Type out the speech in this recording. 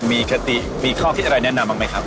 มีคติมีข้อคิดอะไรแนะนำบ้างไหมครับ